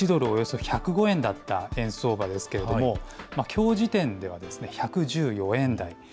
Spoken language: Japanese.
およそ１０５円だった円相場ですけれども、きょう時点で１１４円台。